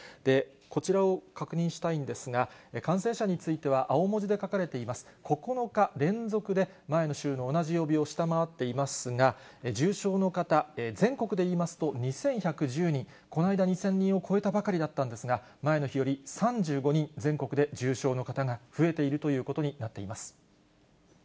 こちらを確認したいんですが、感染者については青文字で書かれています、９日連続で前の週の同じ曜日を下回っていますが、重症の方、全国で言いますと２１１０人、この間２０００人を超えたばかりだったんですが、前の日より３５人、全国で重症の方が増えているということになっています。